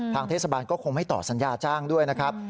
ทางเทศบาลก็คงไม่ต่อสัญญาจ้างด้วยนะครับ